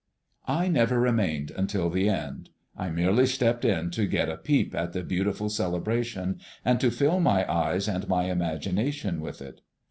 I never remained until the end. I merely stepped in to get a peep at the beautiful celebration and to fill my eyes and my imagination with it.